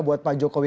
buat pak jokowi